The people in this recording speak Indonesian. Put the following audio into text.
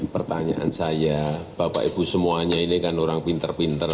pertanyaan saya bapak ibu semuanya ini kan orang pinter pinter